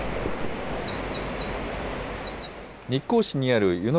日光市にある湯ノ